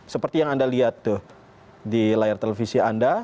seperti yang anda lihat di layar televisi anda